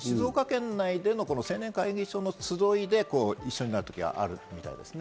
静岡県内の青年会議所の集いで一緒になる事があったみたいです。